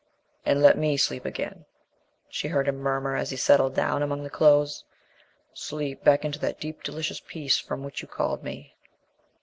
"And let me sleep again," she heard him murmur as he settled down among the clothes, "sleep back into that deep, delicious peace from which you called me."